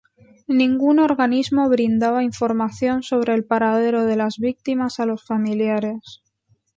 Ningún organismo brindaba información sobre el paradero de las víctimas a los familiares.